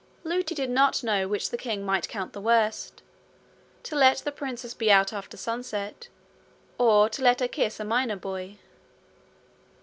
Lootie did not know which the king might count the worst to let the princess be out after sunset, or to let her kiss a miner boy.